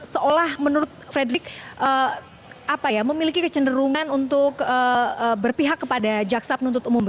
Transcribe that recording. seolah menurut frederick memiliki kecenderungan untuk berpihak kepada jaksa penuntut umum